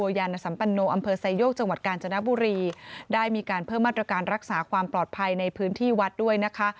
ยานสัมปันโนอำเภอไซโยกจังหวัดกาญจนบุรีได้มีการเพิ่มมาตรการรักษาความปลอดภัยในพื้นที่วัดด้วยนะคะ